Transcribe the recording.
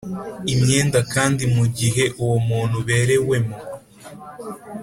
Imyenda kandi mu gihe uwo muntu uberewemo